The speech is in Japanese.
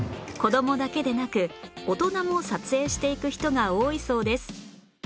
子どもだけでなく大人も撮影していく人が多いそうです